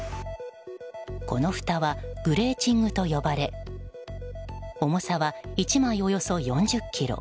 このふたはグレーチングと呼ばれ重さは１枚およそ４０ｋｇ。